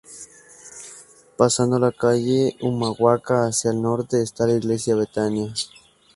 Pasando la calle Humahuaca hacia el norte está la Iglesia Betania.